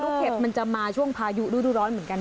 เห็บมันจะมาช่วงพายุฤดูร้อนเหมือนกัน